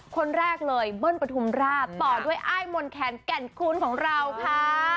คนแรกเลยเบิ้ลปฐุมราชต่อด้วยอ้ายมนแคนแก่นคูณของเราค่ะ